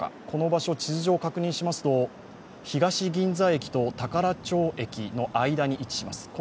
この場所、地図上を確認しますと東銀座駅と宝町駅の間に位置します。